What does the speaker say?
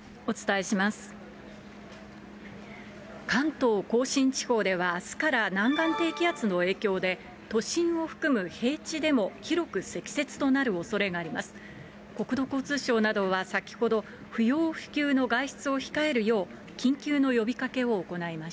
関東甲信地方では、あすから南岸低気圧の影響で、都心を含む平地でも広く積雪となるおそれがあります。